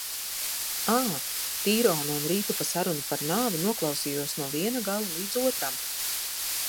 Ā, Tīrona un Rītupa sarunu par nāvi noklausījos no viena gala līdz otram.